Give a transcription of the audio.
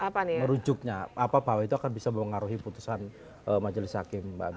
merujuknya apa bahwa itu akan bisa mempengaruhi putusan majelis hakim